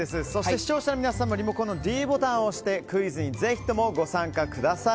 視聴者の皆さんもリモコンのｄボタンを押してクイズにぜひともご参加ください。